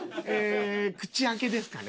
口開けですかね。